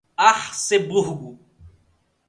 Arceburgo